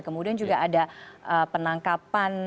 kemudian juga ada penangkapan